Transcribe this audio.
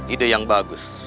ide yang bagus